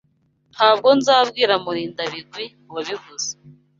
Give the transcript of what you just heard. Ntabwo nzabwira Murindabigwi wabivuze.